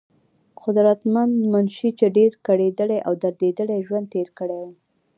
قدرمند منشي، چې ډېر کړېدلے او درديدلے ژوند تير کړے وو